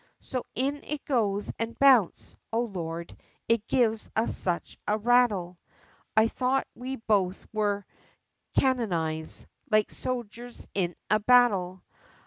So in it goes, and Bounce O Lord! it gives us such a rattle, I thought we both were cannonized, like Sogers in a battle!